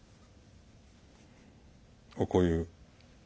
こういう。